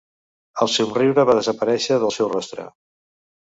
El somriure va desaparèixer del seu rostre.